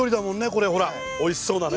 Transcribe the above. これほらおいしそうなね。